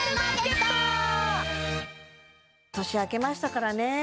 年明けましたからね